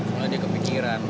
soalnya dia kepikiran